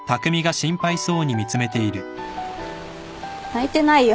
泣いてないよ。